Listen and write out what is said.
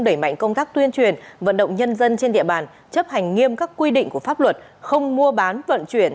đẩy mạnh công tác tuyên truyền vận động nhân dân trên địa bàn chấp hành nghiêm các quy định của pháp luật không mua bán vận chuyển